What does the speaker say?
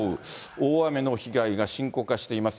大雨の被害が深刻化しています。